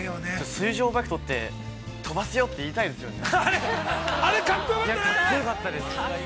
◆水上バイクの飛ばすよ！って言いたいですよね。